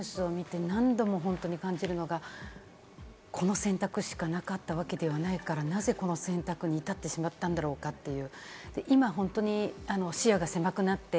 このニュースを見て何度も感じるのが、この選択しかなかったわけではないから、なぜこの選択に至ってしまったんだろうかという。